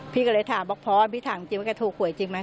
พี่ก็เลยถามบอกพอพี่ถามจริงว่าแกถูกหวยจริงไหม